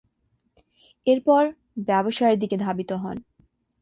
এরপর, ব্যবসায়ের দিকে ধাবিত হন।